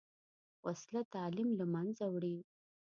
وسله تعلیم له منځه وړي